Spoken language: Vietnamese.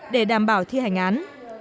để đảm bảo thi hành án